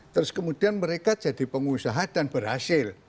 terus kemudian mereka jadi pengusaha dan berhasil